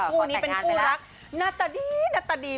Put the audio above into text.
คู่นี้เป็นคู่รักหน้าตาดีหน้าตาดี